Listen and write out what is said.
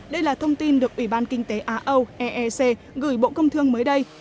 đây là thông tin được ủy ban kinh tế á âu eec gửi bộ công thương mới đây